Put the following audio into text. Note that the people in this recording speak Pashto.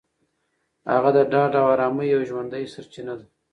هغه د ډاډ او ارامۍ یوه ژوندۍ سرچینه ده.